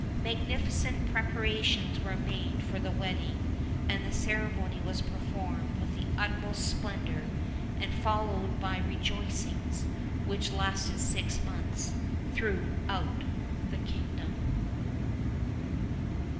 Magnificent prepara tions were made for the wedding, and the ceremony was performed with the utmost splendor, and followed by rejoicings, which lasted six months, throughout the king dom.